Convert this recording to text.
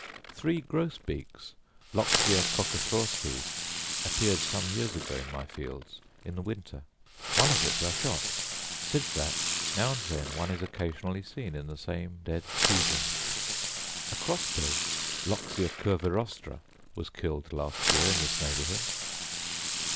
Three gross beaks (loxia coccothraustes) appeared some years ago in my fields, in the winter; one of which I shot: since that, now and then one is occasionally seen in the same dead season. A cross bill (loxia curvirostra) was killed last year in this neighbourhood.